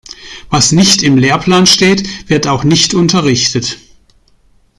Was nicht im Lehrplan steht, wird auch nicht unterrichtet.